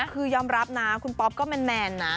คือยอมรับนะคุณป๊อปก็แมนนะ